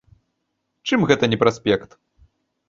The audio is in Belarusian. Чым гэта не праспект?